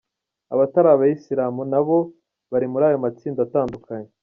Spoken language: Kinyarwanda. Abatari Abayisilamu nabo bari muri ayo matsinda atandukanye.